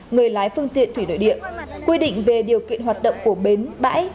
người lái phương tiện thủy nội địa quy định về điều kiện hoạt động của bến bãi